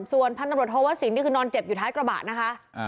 ส่วนพันตำรวจโทวสินนี่คือนอนเจ็บอยู่ท้ายกระบะนะคะ